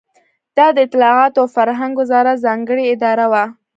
دا د اطلاعاتو او فرهنګ وزارت ځانګړې اداره وه.